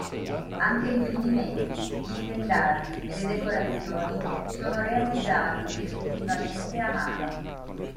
Anche i finimenti, gli stendardi e le decorazioni, sono realizzati esclusivamente a mano.